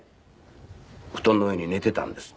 布団の上に寝ていたんです。